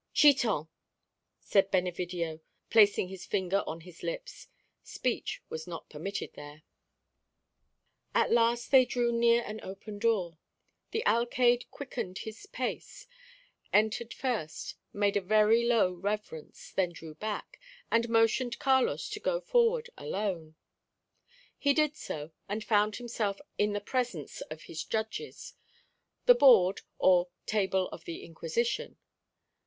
"Chiton!" said Benevidio, placing his finger on his lips. Speech was not permitted there. At last they drew near an open door. The alcayde quickened his pace, entered first, made a very low reverence, then drew back again, and motioned Carlos to go forward alone. He did so; and found himself in the presence of his judges the Board, or "Table of the Inquisition."